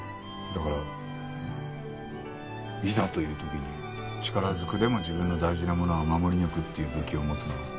だからいざという時に力ずくでも自分の大事なものは守り抜くっていう武器を持つのは。